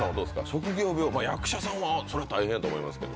職業病、役者さんは、それは大変だと思いますけれど。